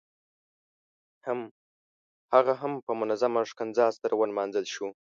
هغه هم په منظمونه ښکنځا سره ونمانځل شو.